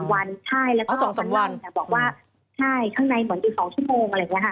วันใช่แล้วก็๒๓วันบอกว่าใช่ข้างในเหมือนอยู่๒ชั่วโมงอะไรอย่างนี้ค่ะ